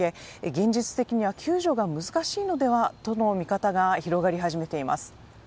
現実的には救助が難しいのではとの見方が広がり始めています。